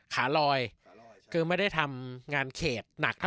ขาลอยจริงไม่ได้ทำงานเขตหนักเท่ากับพวกเขา